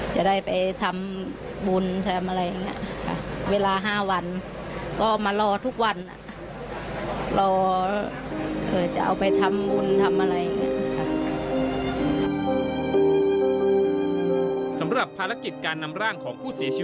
จะได้ไปทำบุญทำอะไรอย่างนี้